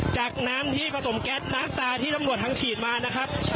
จากน้ำที่ผสมแก๊สน้ำตาที่ตำรวจทางฉีดมานะครับ